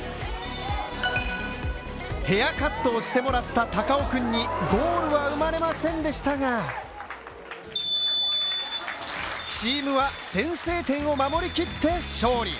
ヘアカットをしてもらった高尾くんにゴールは生まれませんでしたがチームは先制点を守り切って勝利。